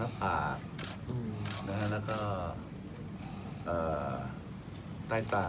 ก็ทำตาทำหน้าผาแล้วก็ใต้ตา